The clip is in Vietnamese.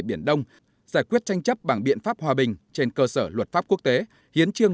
biển đông giải quyết tranh chấp bằng biện pháp hòa bình trên cơ sở luật pháp quốc tế hiến trương